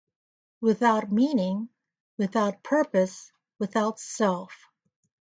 Without meaning, without purpose, without self.